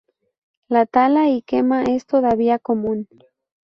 La tala y quema es todavía común.